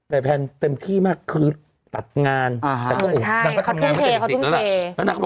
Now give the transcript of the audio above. แต่แผนเต็มที่มากคือสัพงาน